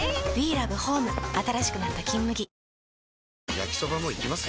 焼きソバもいきます？